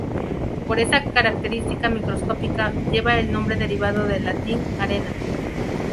Por esa característica microscópica llevan el nombre derivado del latín "arena".